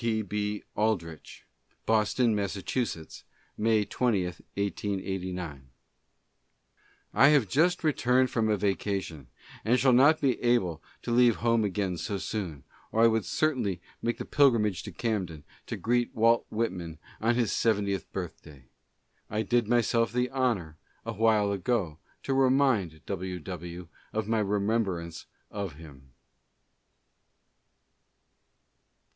T. B. Aldrich: Boston, Mass., May 20, 1889. I have just returned from a vacation, and shall not be able to leave home again so soon, or I would certainly make the pilgrim age to Camden to greet Walt Whitman on his seventieth birth day. ... I did myself the honor awhile ago to remind W. W. of my remembrance of him.